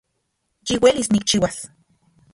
Yiuelis nikchiuas